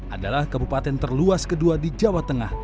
adalah kabupaten terluas kedua di jawa tengah